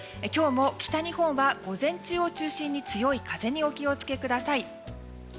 今日も北日本は午前中を中心に強い風にお気を付けください。